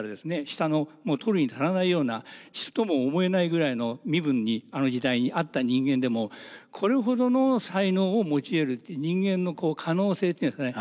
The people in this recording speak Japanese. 下の取るに足らないような士とも思えないぐらいの身分にあの時代にあった人間でもこれほどの才能を持ち得る人間の可能性っていうんですかね